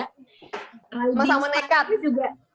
sama sama nekat juga